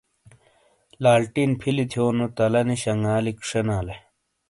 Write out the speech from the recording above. لالٹین فِیلی تھیونو تَلا نی شنگالِیک شینالے۔